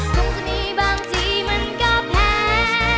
คงจะมีบางทีมันก็แพ้